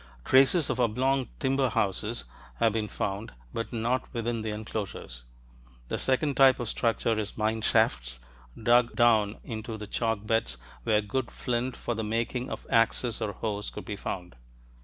Traces of oblong timber houses have been found, but not within the enclosures. The second type of structure is mine shafts, dug down into the chalk beds where good flint for the making of axes or hoes could be found.